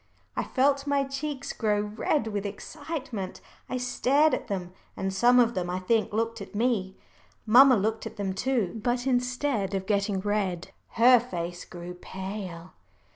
I felt my cheeks grow red with excitement. I stared at them, and some of them, I think, looked at me. Mamma looked at them too, but instead of getting red, her face grew pale.